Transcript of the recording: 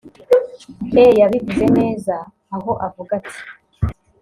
E yabivuze neza aho avuga ati